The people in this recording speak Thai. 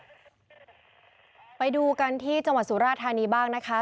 หน้านี้ครับไปดูกันที่จังหวัดสุราธารณีบ้างนะคะ